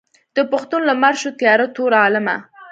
د پښتون لمر شو تیاره تور عالمه.